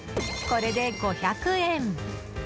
これで５００円。